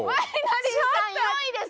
４位です！